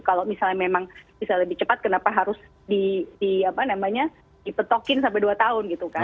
kalau misalnya memang bisa lebih cepat kenapa harus dipetokin sampai dua tahun gitu kan